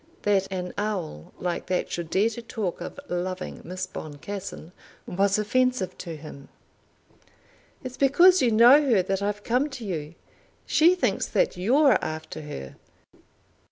That an owl like that should dare to talk of loving Miss Boncassen was offensive to him. "It's because you know her that I've come to you. She thinks that you're after her."